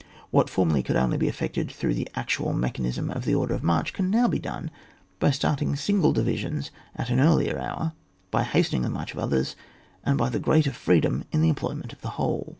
What formerly could only be effected through the actual mechanism of the order of mar<^, can now be done by starting single divisions at an earlier hour, by hastening the march of others, and by the greater freedom in the em ployment of the whole.